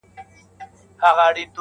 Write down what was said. جام دې نوی وي زاړه شراب پکار دي